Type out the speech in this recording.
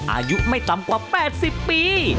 อายุไม่ต่ำกว่า๘๐ปี